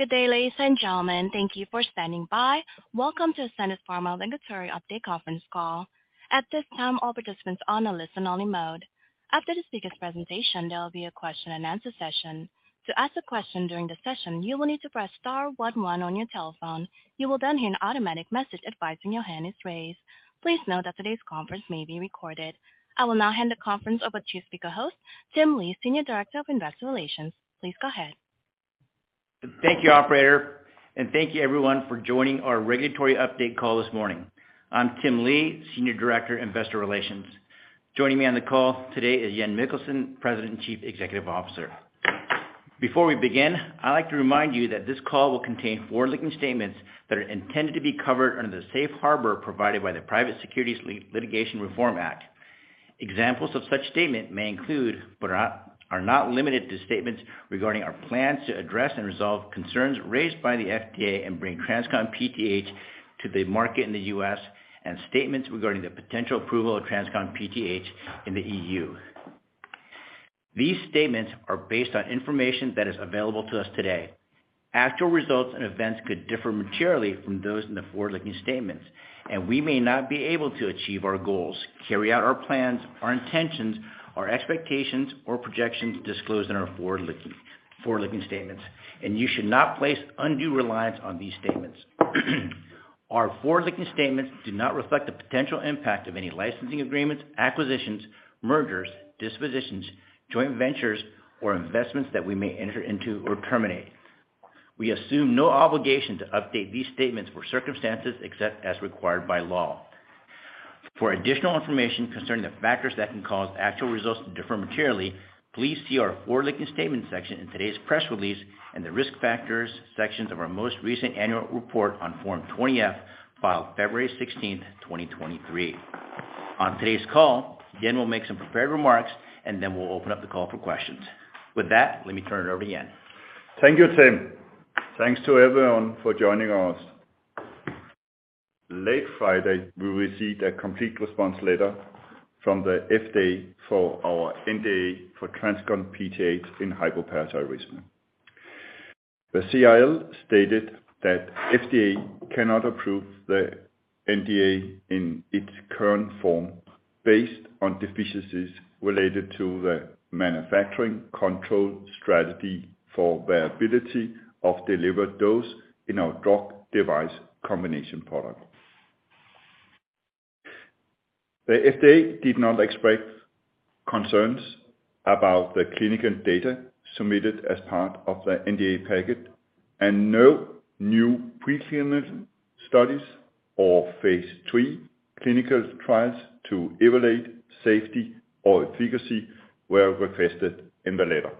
Good day, ladies and gentlemen. Thank you for standing by. Welcome to Ascendis Pharma Regulatory Update Conference Call. At this time, all participants are on a listen only mode. After the speaker's presentation, there will be a question and answer session. To ask a question during the session, you will need to press Star one one on your telephone. You will then hear an automatic message advising your hand is raised. Please note that today's conference may be recorded. I will now hand the conference over to speaker host, Tim Lee, Senior Director of Investor Relations. Please go ahead. Thank you, operator, and thank you everyone for joining our regulatory update call this morning. I'm Tim Lee, Senior Director, Investor Relations. Joining me on the call today is Jan Mikkelsen, President, Chief Executive Officer. Before we begin, I'd like to remind you that this call will contain forward-looking statements that are intended to be covered under the safe harbor provided by the Private Securities Litigation Reform Act. Examples of such statement may include, but are not limited to statements regarding our plans to address and resolve concerns raised by the FDA and bring TransCon PTH to the market in the U.S., and statements regarding the potential approval of TransCon PTH in the EU. These statements are based on information that is available to us today. Actual results and events could differ materially from those in the forward-looking statements, we may not be able to achieve our goals, carry out our plans, our intentions, our expectations, or projections disclosed in our forward-looking statements. You should not place undue reliance on these statements. Our forward-looking statements do not reflect the potential impact of any licensing agreements, acquisitions, mergers, dispositions, joint ventures, or investments that we may enter into or terminate. We assume no obligation to update these statements for circumstances except as required by law. For additional information concerning the factors that can cause actual results to differ materially, please see our forward-looking statement section in today's press release and the Risk Factors sections of our most recent annual report on Form 20-F, filed February 16th, 2023. On today's call, Jan will make some prepared remarks, and then we'll open up the call for questions. With that, let me turn it over to Jan. Thank you, Tim. Thanks to everyone for joining us. Late Friday, we received a complete response letter from the FDA for our NDA for TransCon PTH in hypoparathyroidism. The CRL stated that FDA cannot approve the NDA in its current form based on deficiencies related to the manufacturing control strategy for variability of delivered dose in our drug-device combination product. The FDA did not express concerns about the clinical data submitted as part of the NDA packet, and no new pre-clinical studies or phase III clinical trials to evaluate safety or efficacy were requested in the letter.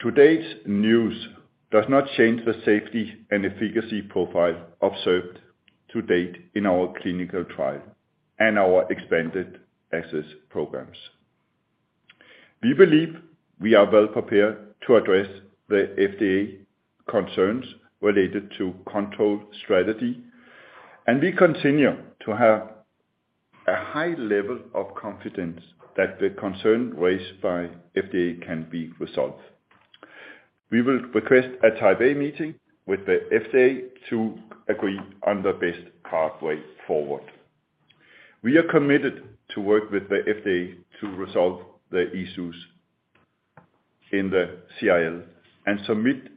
Today's news does not change the safety and efficacy profile observed to date in our clinical trial and our expanded access programs. We believe we are well prepared to address the FDA concerns related to control strategy, and we continue to have a high level of confidence that the concern raised by FDA can be resolved. We will request a Type A meeting with the FDA to agree on the best pathway forward. We are committed to work with the FDA to resolve the issues in the CRLand submit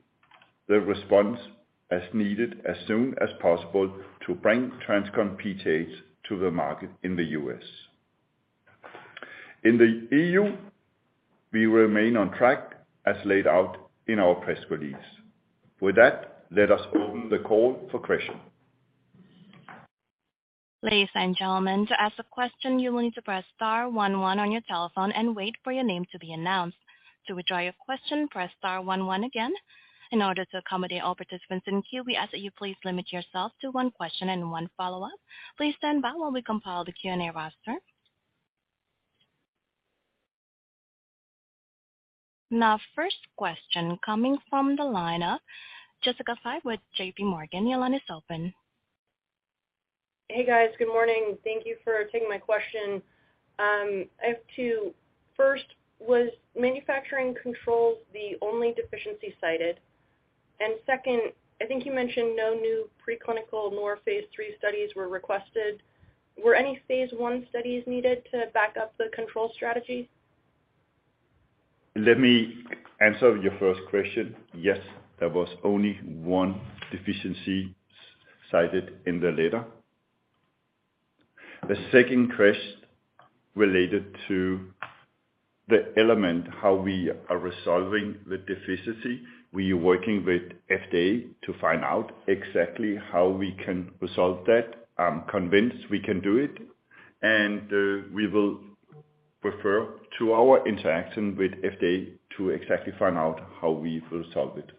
the response as needed as soon as possible to bring TransCon PTH to the market in the US. In the EU, we remain on track as laid out in our press release. With that, let us open the call for questions. Ladies and gentlemen, to ask a question, you will need to press star one one on your telephone and wait for your name to be announced. To withdraw your question, press star one one again. In order to accommodate all participants in queue, we ask that you please limit yourself to one question and one follow-up. Please stand by while we compile the Q&A roster. Now, first question coming from the line of Jessica Fye with JPMorgan. Your line is open. Hey, guys. Good morning. Thank you for taking my question. I have two. First, was manufacturing controls the only deficiency cited? Second, I think you mentioned no new preclinical nor phase 3 studies were requested. Were any phase 1 studies needed to back up the control strategy? Let me answer your first question. Yes, there was only one deficiency cited in the letter. The second quest related to the element, how we are resolving the deficiency. We are working with FDA to find out exactly how we can resolve that. I'm convinced we can do it, and we will refer to our interaction with FDA to exactly find out how we will solve it.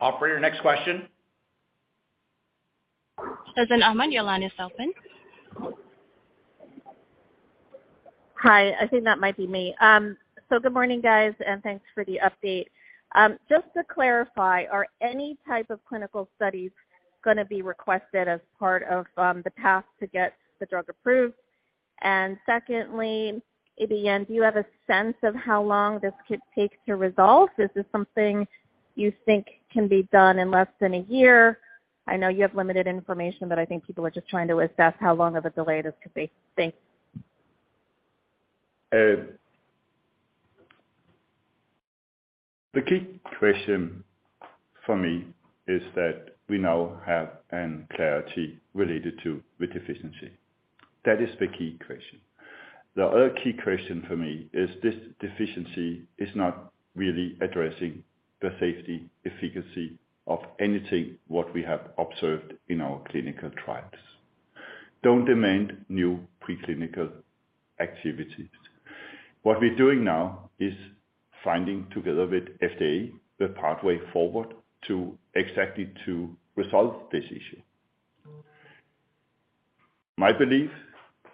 Operator, next question. Tazeen Ahmad, your line is open. Hi. I think that might be me. Good morning, guys, and thanks for the update. Just to clarify, are any type of clinical studies gonna be requested as part of the path to get the drug approved? Secondly, uncertain, do you have a sense of how long this could take to resolve? Is this something you think can be done in less than 1 year? I know you have limited information, but I think people are just trying to assess how long of a delay this could be. Thanks. The key question for me is that we now have an clarity related to the deficiency. That is the key question. The other key question for me is this deficiency is not really addressing the safety efficacy of anything what we have observed in our clinical trials. Don't demand new preclinical activities. What we're doing now is finding together with FDA the pathway forward to exactly resolve this issue. My belief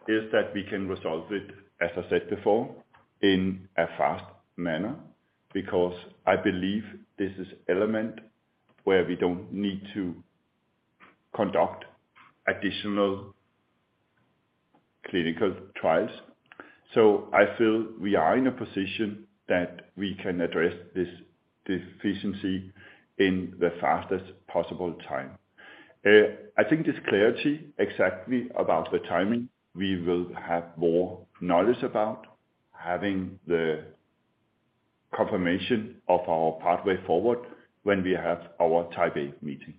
is that we can resolve it, as I said before, in a fast manner because I believe this is element where we don't need to conduct additional clinical trials. I feel we are in a position that we can address this deficiency in the fastest possible time. I think this clarity exactly about the timing, we will have more knowledge about having the confirmation of our pathway forward when we have our Type A meeting.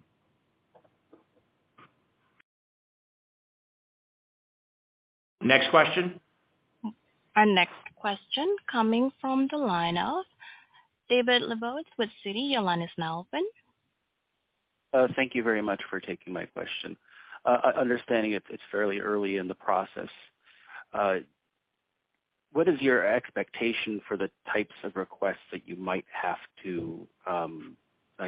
Next question. Our next question coming from the line of David Lebowitz with Citi. Your line is now open. Thank you very much for taking my question. Understanding it's fairly early in the process, what is your expectation for the types of requests that you might have to, I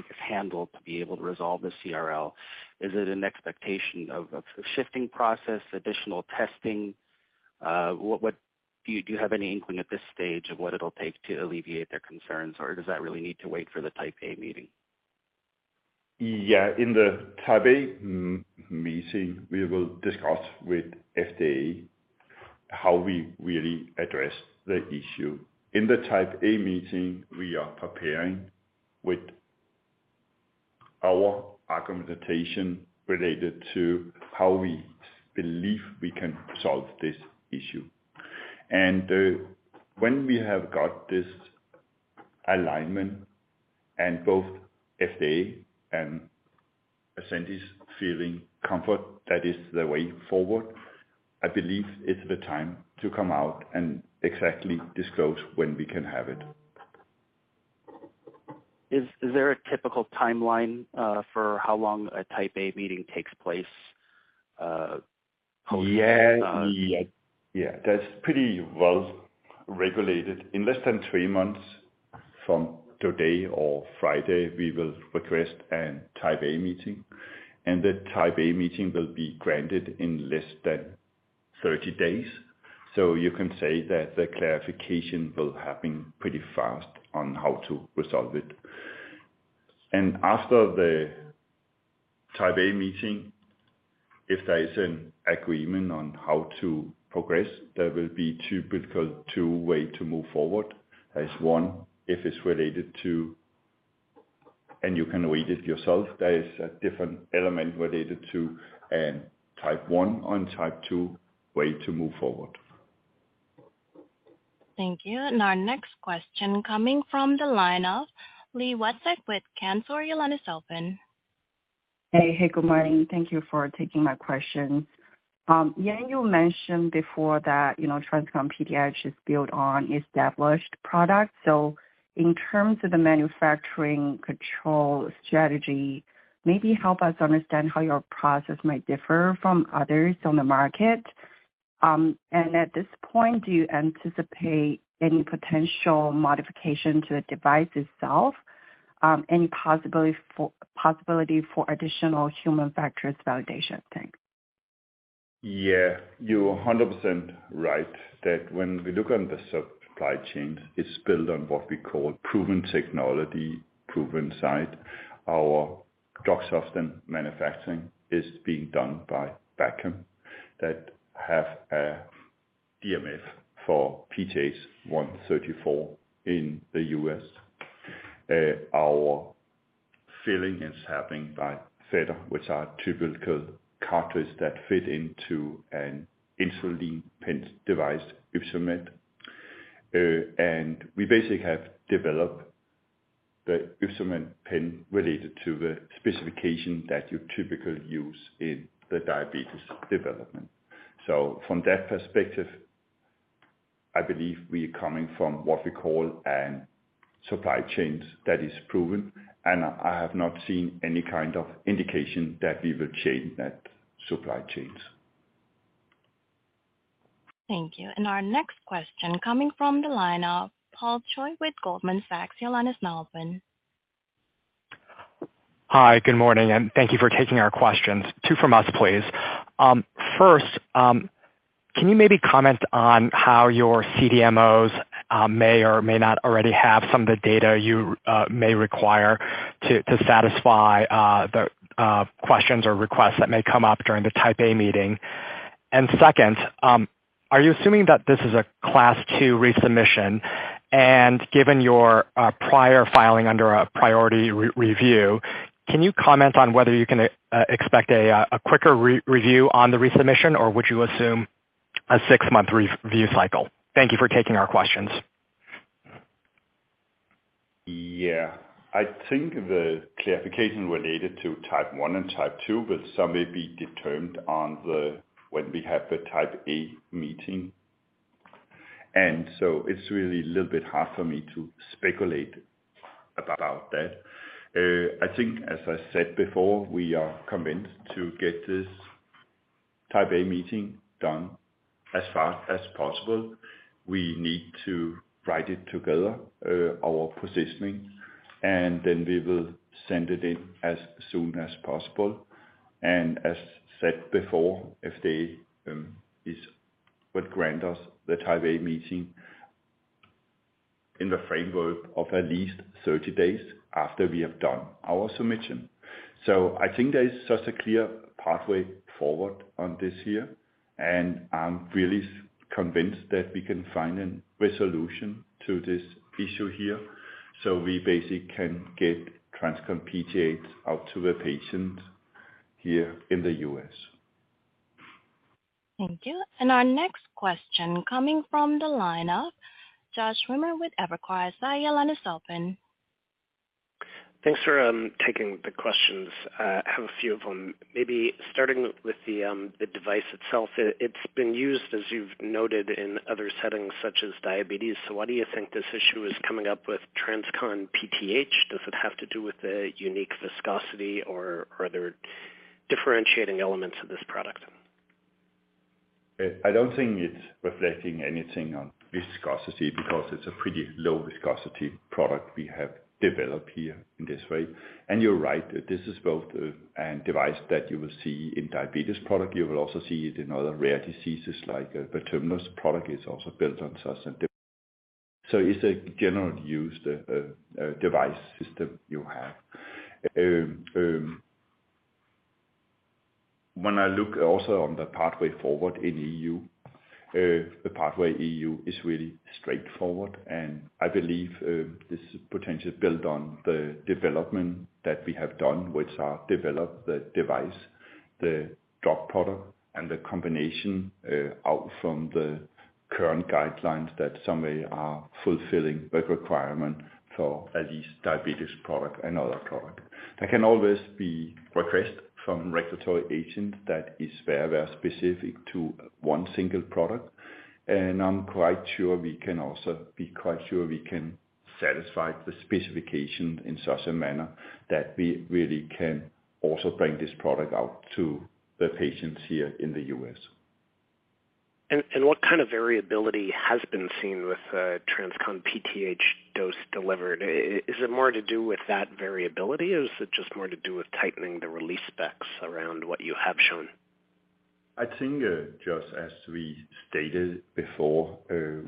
guess, handle to be able to resolve the CRL? Is it an expectation of a shifting process, additional testing? What... Do you have any inkling at this stage of what it'll take to alleviate their concerns, or does that really need to wait for the Type A meeting? Yeah. In the Type A meeting, we will discuss with FDA how we really address the issue. In the Type A meeting, we are preparing with our argumentation related to how we believe we can resolve this issue. When we have got this alignment and both FDA and Ascendis feeling comfort that is the way forward, I believe it's the time to come out and exactly disclose when we can have it. Is there a typical timeline for how long a Type A meeting takes place? Yeah. Yeah. That's pretty well regulated. In less than 3 months from today or Friday, we will request an Type A meeting, the Type A meeting will be granted in less than 30 days. You can say that the clarification will happen pretty fast on how to resolve it. After the Type A meeting, if there is an agreement on how to progress, there will be two way to move forward. There's one if it's related to... You can read it yourself. There is a different element related to an type one and type two way to move forward. Thank you. Our next question coming from the line of Liisa Wang with Cantor. Your line is open. Hey, good morning. Thank you for taking my question. Jan, you mentioned before that, you know, TransCon PTH is built on established products. In terms of the manufacturing control strategy, maybe help us understand how your process might differ from others on the market. At this point, do you anticipate any potential modification to the device itself, any possibility for additional human factors validation? Thanks. Yeah. You're 100% right that when we look on the supply chains, it's built on what we call proven technology, proven site. Our drug substance manufacturing is being done by Bachem that have a DMF for PTH 1-34 in the US. Our filling is happening by Vetter, which are typical cartridges that fit into an insulin pen device, SKYTROFA. We basically have developed the SKYTROFA pen related to the specification that you typically use in the diabetes development. From that perspective, I believe we are coming from what we call an supply chains that is proven, and I have not seen any kind of indication that we will change that supply chains. Thank you. Our next question coming from the line of Paul Choi with Goldman Sachs. Your line is now open. Hi, good morning, and thank you for taking our questions. two from us, please. First, can you maybe comment on how your CDMOs may or may not already have some of the data you may require to satisfy the questions or requests that may come up during the type A meeting? Second, are you assuming that this is a Class two resubmission? Given your prior filing under a priority re-review, can you comment on whether you can expect a quicker re-review on the resubmission, or would you assume a 6-month re-review cycle? Thank you for taking our questions. Yeah. I think the clarification related to type one and type two will somewhat be determined when we have the type A meeting. It's really a little bit hard for me to speculate about that. I think as I said before, we are convinced to get this type A meeting done as fast as possible. We need to write it together, our positioning, and then we will send it in as soon as possible. As said before, if they is what grant us the type A meeting in the framework of at least 30 days after we have done our submission. I think there is such a clear pathway forward on this here, and I'm really convinced that we can find a resolution to this issue here so we basically can get TransCon PTH out to the patient here in the U.S. Thank you. Our next question coming from the line of Josh Schimmer with Evercore. Your line is open. Thanks for taking the questions. Have a few of them. Maybe starting with the device itself. It's been used, as you've noted, in other settings such as diabetes. Why do you think this issue is coming up with TransCon PTH? Does it have to do with the unique viscosity or are there differentiating elements of this product? I don't think it's reflecting anything on viscosity because it's a pretty low viscosity product we have developed here in this way. You're right, this is both a device that you will see in diabetes product. You will also see it in other rare diseases like the Tezspire is also built on such a device. It's a general use device system you have. When I look also on the pathway forward in EU, the pathway EU is really straightforward, and I believe this potential build on the development that we have done, which are develop the device, the drug product, and the combination out from the current guidelines that some way are fulfilling the requirement for at least diabetes product and other product. There can always be requests from regulatory agents that is very, very specific to one single product. I'm quite sure we can also be quite sure we can satisfy the specification in such a manner that we really can also bring this product out to the patients here in the U.S. What kind of variability has been seen with TransCon PTH dose delivered? Is it more to do with that variability, or is it just more to do with tightening the release specs around what you have shown? I think, just as we stated before,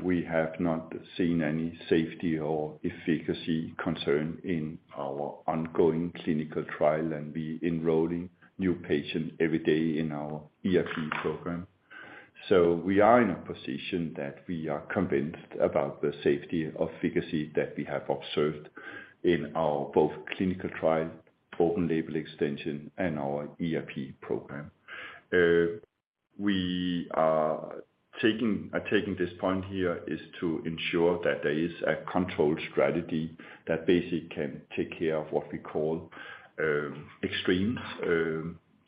we have not seen any safety or efficacy concern in our ongoing clinical trial. We enrolling new patients every day in our ERP program. We are in a position that we are convinced about the safety of efficacy that we have observed in our both clinical trial, open-label extension, and our ERP program. We are taking this point here is to ensure that there is a control strategy that basically can take care of what we call, extremes,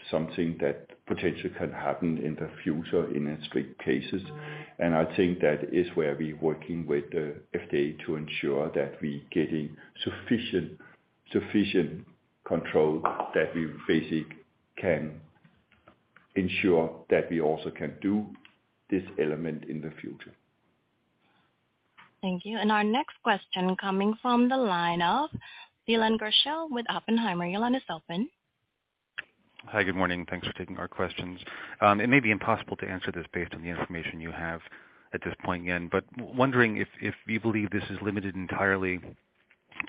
something that potentially can happen in the future in strict cases. I think that is where we working with the FDA to ensure that we getting sufficient control that we basically can ensure that we also can do this element in the future. Thank you. Our next question coming from the line of Leland Gershell with Oppenheimer& Co. Your line is open. Hi. Good morning. Thanks for taking our questions. It may be impossible to answer this based on the information you have at this point in, but wondering if you believe this is limited entirely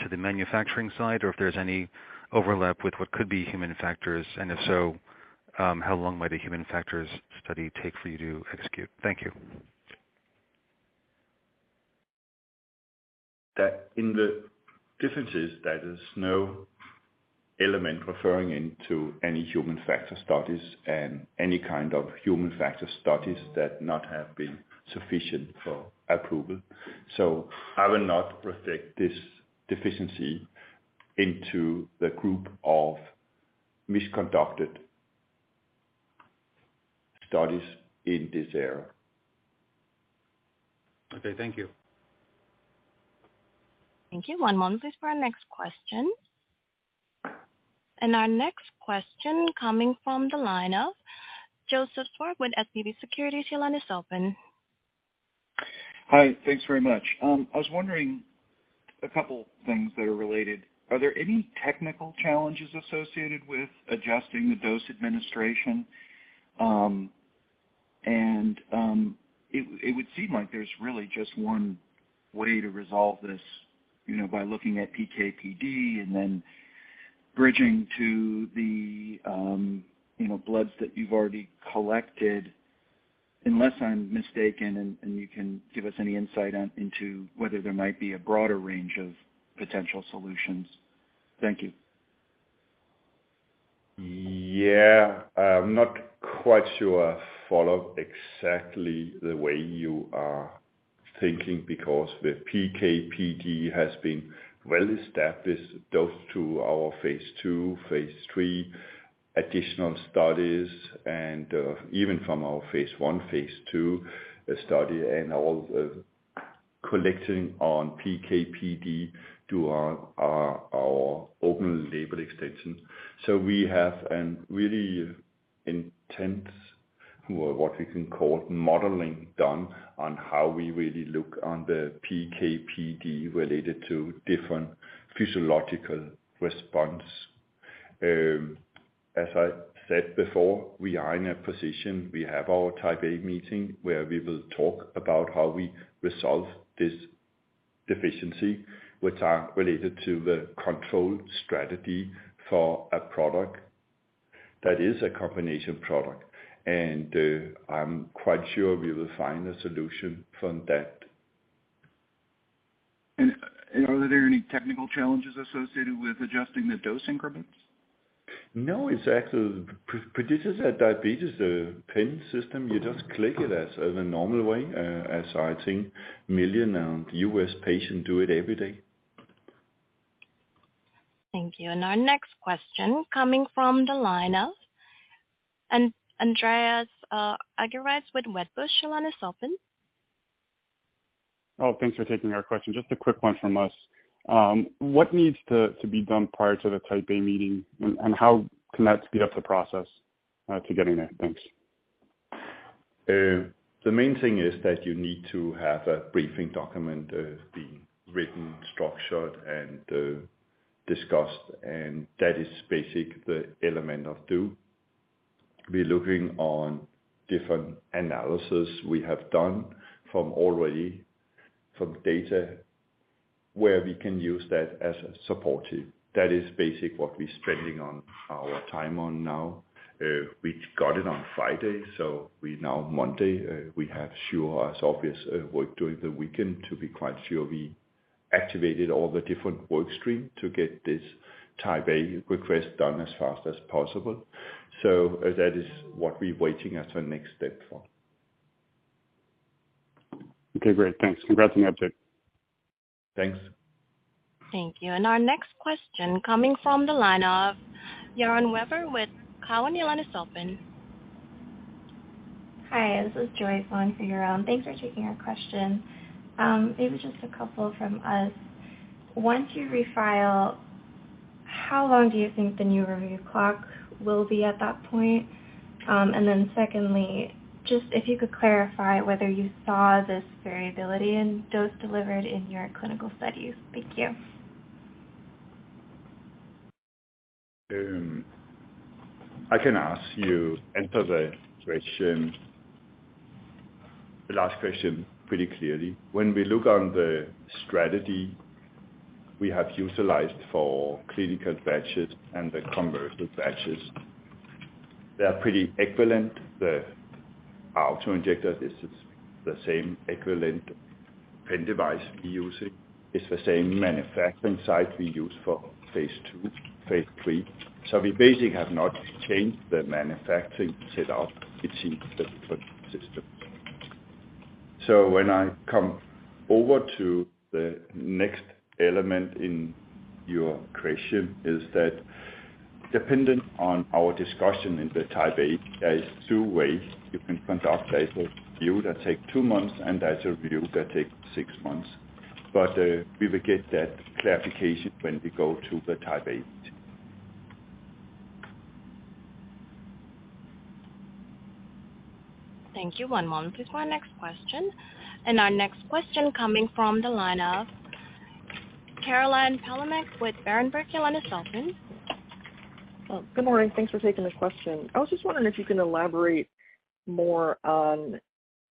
to the manufacturing side or if there's any overlap with what could be human factors. If so, how long might a human factors study take for you to execute? Thank you. That in the differences, there is no element referring into any human factor studies and any kind of human factor studies that not have been sufficient for approval. I will not protect this deficiency into the group of misconducted studies in this area. Okay, thank you. Thank you. One moment, please, for our next question. Our next question coming from the line of Joseph Schwartz with SVB Leerink Partners. Your line is open. Hi. Thanks very much. I was wondering a couple things that are related. Are there any technical challenges associated with adjusting the dose administration? And it would seem like there's really just one way to resolve this, you know, by looking at PK/PD and then bridging to the, you know, bloods that you've already collected, unless I'm mistaken, and you can give us any insight into whether there might be a broader range of potential solutions. Thank you. Yeah. I'm not quite sure I follow exactly the way you are thinking, because the PK/PD has been well established dose to our phase two, phase three additional studies and even from our phase one, phase two study and all the collecting on PK/PD to our open-label extension. We have a really intense, or what we can call modeling done on how we really look on the PK/PD related to different physiological response. As I said before, we are in a position, we have our Type A meeting where we will talk about how we resolve this deficiency, which are related to the control strategy for a product that is a combination product. I'm quite sure we will find a solution from that. Are there any technical challenges associated with adjusting the dose increments? No, it's actually. This is a diabetes pen system. You just click it as a normal way, as I think 1,000,000 U.S. patient do it every day. Thank you. Our next question coming from the line of Andreas Argyropoulos with Wedbush Securities. Your line is open. Thanks for taking our question. Just a quick one from us. What needs to be done prior to the Type A meeting, and how can that speed up the process to getting there? Thanks. The main thing is that you need to have a briefing document, being written, structured and discussed, and that is basic the element of two. We're looking on different analysis we have done from already from data where we can use that as supportive. That is basic what we're spending on our time on now. We got it on Friday, so we now Monday, we have sure as obvious, work during the weekend to be quite sure we activated all the different work stream to get this type A request done as fast as possible. That is what we're waiting as our next step for. Okay, great. Thanks. Congrats on the update. Thanks. Thank you. Our next question coming from the line of Yaron Werber with Cowen. Your line is open. Hi, this is Jieun Choi for Yaron. Thanks for taking our question. Maybe just a couple from us. Once you refile, how long do you think the new review clock will be at that point? Secondly, just if you could clarify whether you saw this variability in dose delivered in your clinical studies. Thank you. I can ask you answer the question, the last question pretty clearly. When we look on the strategy we have utilized for clinical batches and the commercial batches, they're pretty equivalent. The auto-injector is the same equivalent pen device we're using. It's the same manufacturing site we use for phase 2, phase 3. We basically have not changed the manufacturing setup. It's in the system. When I come over to the next element in your question is that depending on our discussion in the Type A, there is two ways you can conduct that review that take two months and as a review that take six months. We will get that clarification when we go to the Type A. Thank you. One moment please for our next question. Our next question coming from the line of Caroline Palomec with Berenberg Capital Markerts. Your line is open. Good morning. Thanks for taking this question. I was just wondering if you can elaborate more on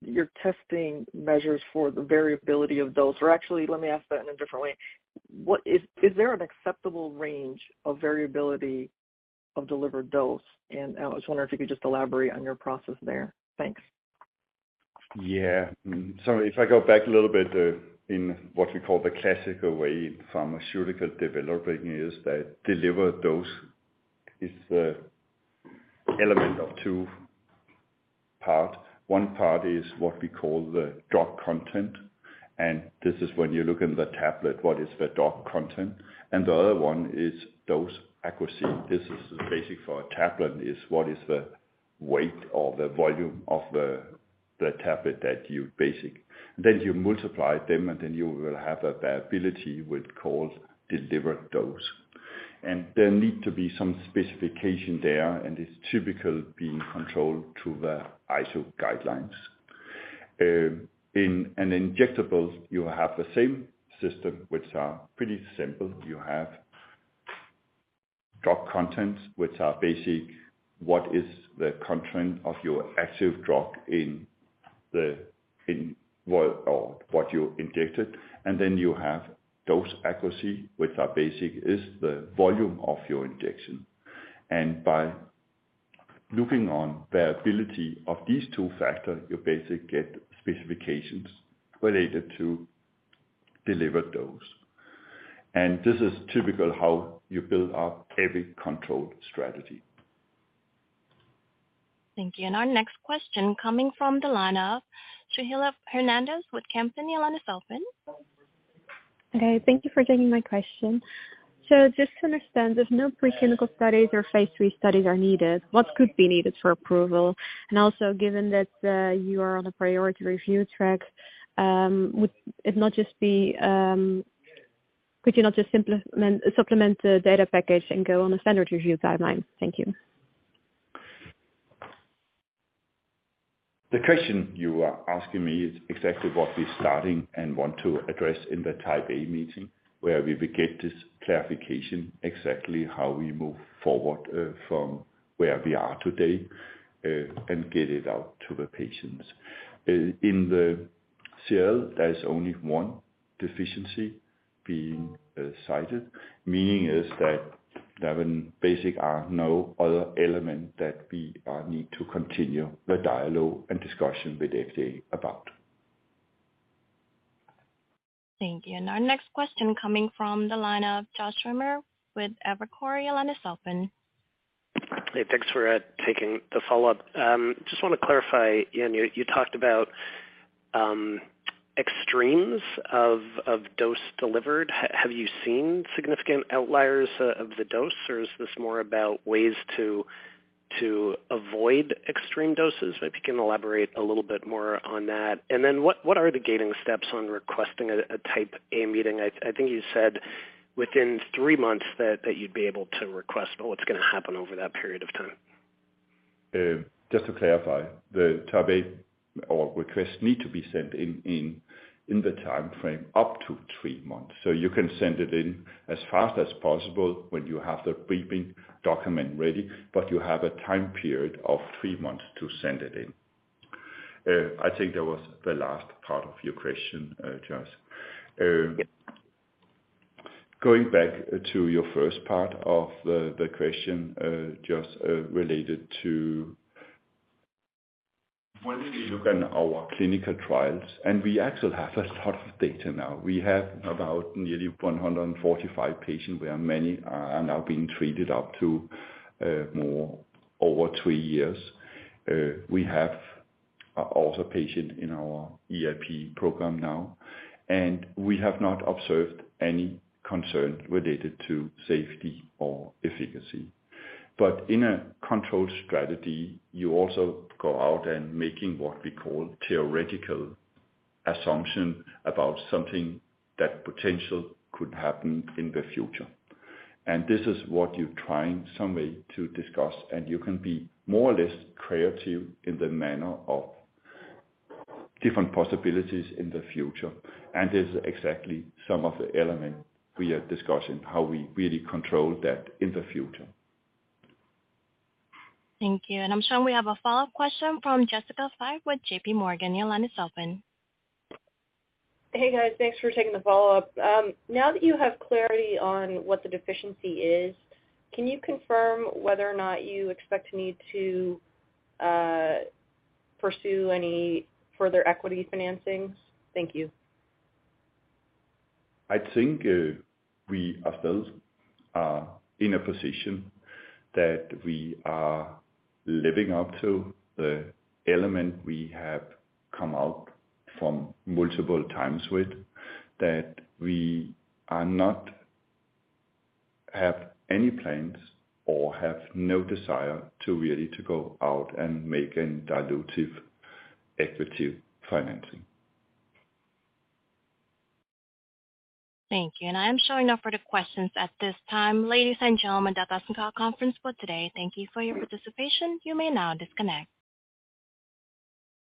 your testing measures for the variability of dose. Actually, let me ask that in a different way. Is there an acceptable range of variability of delivered dose? I was wondering if you could just elaborate on your process there. Thanks. Yeah. If I go back a little bit, in what we call the classical way in pharmaceutical developing is that delivered dose is the element of two part. One part is what we call the drug content, this is when you look in the tablet, what is the drug content? The other one is dose accuracy. This is basic for a tablet, is what is the weight or the volume of the tablet that you basic. You multiply them, you will have a variability, we call delivered dose. There need to be some specification there, and it's typical being controlled through the ISO standards. In an injectable, you have the same system which are pretty simple. You have drug content, which are basic, what is the content of your active drug in what or what you injected. You have dose accuracy, which are basic is the volume of your injection. By looking on the ability of these two factors, you basically get specifications related to delivered dose. This is typical how you build up every control strategy. Thank you. Our next question coming from the line of Suhasini Sharma with Company Line is open. Okay, thank you for taking my question. Just to understand, if no preclinical studies or phase 3 studies are needed, what could be needed for approval? Also given that you are on a priority review track, Could you not just supplement the data package and go on a standard review timeline? Thank you. The question you are asking me is exactly what we're starting and want to address in the Type A meeting, where we will get this clarification exactly how we move forward, from where we are today, and get it out to the patients. In the CRL, there is only one deficiency being cited. Meaning is that there are basic no other element that we need to continue the dialogue and discussion with FDA about. Thank you. Our next question coming from the line of Josh Schimmer with Evercore. Your line is open. Hey, thanks for taking the follow-up. Just wanna clarify. Jan, you talked about extremes of dose delivered. Have you seen significant outliers of the dose? Or is this more about ways to avoid extreme doses? If you can elaborate a little bit more on that. What are the gating steps on requesting a Type A meeting? I think you said within three months that you'd be able to request, but what's gonna happen over that period of time? Just to clarify, the Type A or request need to be sent in the timeframe up to three months. You can send it in as fast as possible when you have the briefing document ready, but you have a time period of three months to send it in. I think that was the last part of your question, Josh. Yes. Going back to your first part of the question, Josh, related to. When we look at our clinical trials, we actually have a lot of data now. We have about nearly 145 patients, where many are now being treated up to more over three years. We have also patients in our ERP program now, and we have not observed any concern related to safety or efficacy. In a controlled strategy, you also go out and making what we call theoretical assumption about something that potential could happen in the future. This is what you're trying some way to discuss, and you can be more or less creative in the manner of different possibilities in the future. Is exactly some of the elements we are discussing, how we really control that in the future. Thank you. I'm showing we have a follow-up question from Jessica Fye with JPMorgan. Your line is open. Hey, guys. Thanks for taking the follow-up. Now that you have clarity on what the deficiency is, can you confirm whether or not you expect to need to pursue any further equity financings? Thank you. I think, we are still, in a position that we are living up to the element we have come out from multiple times with, that we are not have any plans or have no desire to really to go out and make any dilutive equity financing. Thank you. I am showing no further questions at this time. Ladies and gentlemen, that does end our conference for today. Thank you for your participation. You may now disconnect.